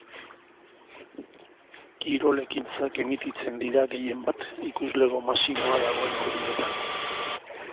Kirol ekintzak emititzen dira gehienbat ikuslego maximoa dagoen orduetan.